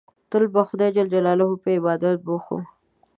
تل به د خدای جل جلاله په عبادت بوخت وو.